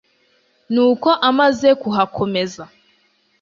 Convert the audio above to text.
n'uko amaze kuhakomeza